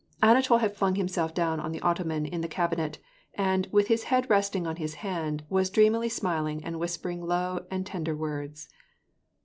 Anatol had flung himself down on the ottoman in the cab inet, and, with his head resting on his hand, was dreamily smiling and whispering low and tender words.